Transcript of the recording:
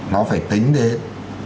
nó phải tính đến